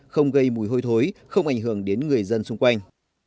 không gây mùi hôi thối không ảnh hưởng đến người dân xung quanh